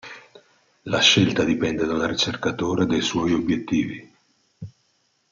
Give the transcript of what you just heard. La scelta dipende dal ricercatore e dai suoi obiettivi.